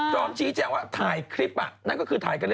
พร้อมชี้แจ้งว่าถ่ายคลิปนั่นก็คือถ่ายกันเลย